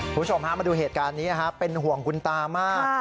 คุณผู้ชมฮะมาดูเหตุการณ์นี้เป็นห่วงคุณตามาก